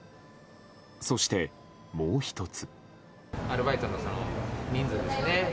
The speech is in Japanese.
そして、もう１つ。